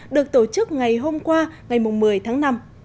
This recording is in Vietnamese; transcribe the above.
được tổ chức ngày hôm qua ngày một mươi tháng năm